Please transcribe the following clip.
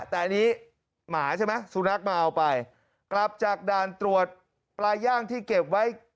แต่อันนี้หมาใช่ไหมสุนัขมาเอาไปกลับจากด่านตรวจปลาย่างที่เก็บไว้